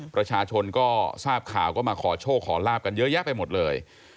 ประชาชนก็ทราบข่าวก็มาขอโชคขอลาบกันเยอะแยะไปหมดเลย